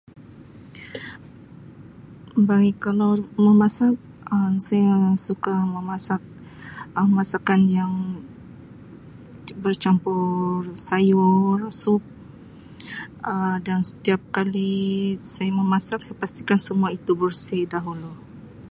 Baik kalau memasak Um saya suka memasak Um masakan yang bercampur sayur sup Um dan setiap kali saya memasak saya pastikan semua itu bersih dahulu.